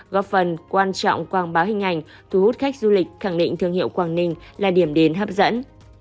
góp phần quan trọng quảng bá hình ảnh thu hút khách du lịch khẳng định thương hiệu quảng ninh là điểm đến hấp dẫn